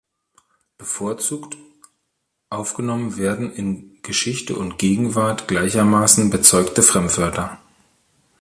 Bevorzugt aufgenommen werden in Geschichte und Gegenwart gleichermaßen bezeugte Fremdwörter.